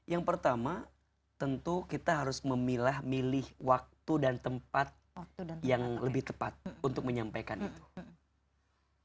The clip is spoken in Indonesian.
yang pertama tentu kita harus memilah milih waktu dan tempat yang lebih tepat untuk menyampaikan itu